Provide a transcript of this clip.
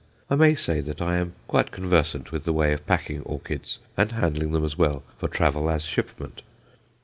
I may say that I am quite conversant with the way of packing orchids and handling them as well for travel as shipment.